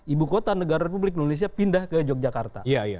ibu kota negara republik indonesia pindah ke yogyakarta